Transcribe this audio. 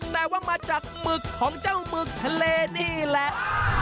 แต่ว่ามาจากหมึกของเจ้าหมึกทะเลนี่แหละ